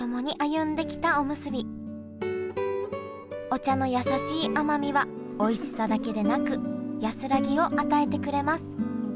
お茶のやさしい甘みはおいしさだけでなく安らぎを与えてくれます